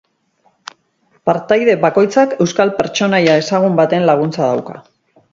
Partaide bakoitzak euskal pertsonaia ezagun baten laguntza dauka.